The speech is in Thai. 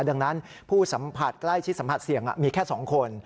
ดังนั้นผู้สัมผัสใกล้ชิดสัมผัสเสี่ยงมีแค่๒คน